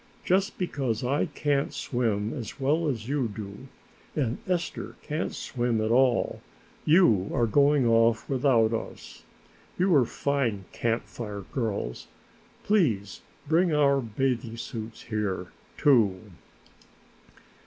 "Just because I can't swim as well as you do and Esther can't swim at all, you are going off without us. You are fine Camp Fire girls; please bring our bathing suits here, too."